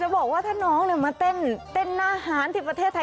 บอกว่าถ้าน้องมาเต้นหน้าหารที่ประเทศไทย